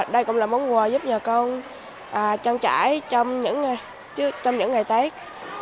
đây cũng là món quà giúp nhà con trang trải trong những ngày tết